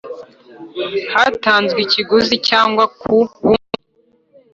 hatanzwe ikiguzi cyangwa ku bundi